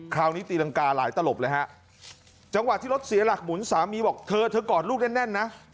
คราวนี้ตีรังกาหลายตลบเลยฮะจังหวะที่รถเสียหลักหมุนสามีบอกเธอเธอกอดลูกแน่นนะ